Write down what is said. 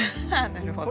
なるほど。